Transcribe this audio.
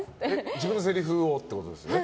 自分のせりふをってことですよね。